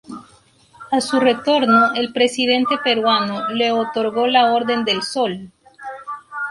A su retorno el presidente peruano le otorgó la Orden del Sol.